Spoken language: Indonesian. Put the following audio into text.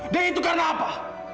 dan itu karena apa